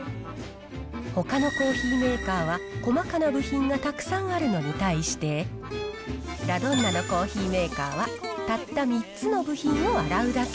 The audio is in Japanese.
ほかのコーヒーメーカーは細かな部品がたくさんあるのに対して、ラドンナのコーヒーメーカーはたった３つの部品を洗うだけ。